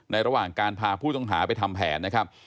ระหว่างการพาผู้ต้องหาไปทำแผนนะครับ